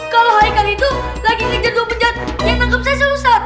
kalau haikal itu lagi ngejar dua penjahat yang nangkep sesir ustaz